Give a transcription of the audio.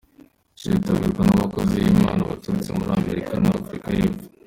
Kizitabirwa n’abakozi b’Imana baturutse muri Amerika na Afurika y’Epfo.